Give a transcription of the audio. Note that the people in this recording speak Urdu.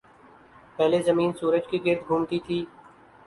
پہلے زمین سورج کے گرد گھومتی تھی۔